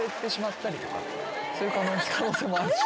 そういう可能性もあるし。